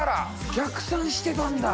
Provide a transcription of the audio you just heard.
逆算してたんだ。